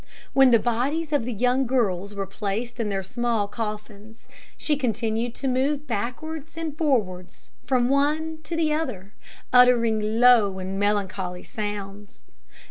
When the bodies of the young girls were placed in their small coffins, she continued to move backwards and forwards from one to the other, uttering low and melancholy sounds.